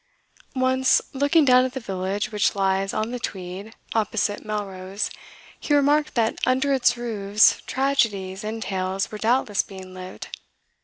Once, looking down at the village which lies on the Tweed, opposite Melrose, he remarked that under its roofs tragedies and tales were doubtless being lived.